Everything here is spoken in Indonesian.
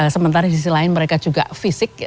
sementara di sisi lain mereka juga fisik